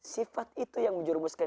tidak ada perancangan